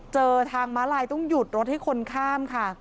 เจอทางม้าลายต้องหยุดรถให้คนข้ามค่ะ